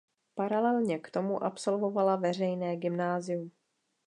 Paralelně k tomu absolvovala veřejné gymnázium.